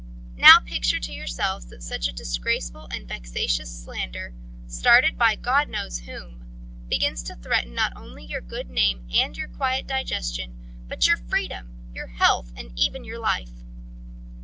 Now picture to yourselves that such a disgraceful and vexatious slander, started by God knows whom, begins to threaten not only your good name and your quiet digestion, but your freedom, your health, and even your life!